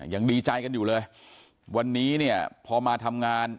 อย่างดีใจกันอยู่เลยวันนี้พอมาทำงาน